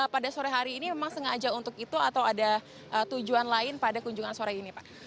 pada sore hari ini memang sengaja untuk itu atau ada tujuan lain pada kunjungan sore ini pak